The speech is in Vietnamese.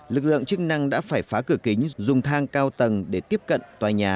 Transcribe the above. lực lượng chức năng đã phải phá cửa kính dùng thang cao tầng để tiếp cận tòa nhà